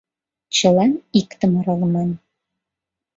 Чылан иктым аралыман